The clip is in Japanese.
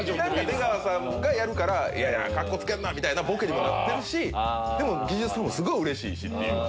出川さんがやるから「カッコつけんな」みたいなボケにもなってるしでも技術さんもすごいうれしいしっていう。